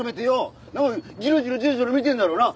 ジロジロジロジロ見てるよな？